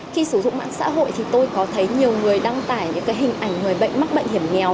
khi sử dụng mạng xã hội thì tôi có thấy nhiều người đăng tải những hình ảnh người bệnh mắc bệnh hiểm nghèo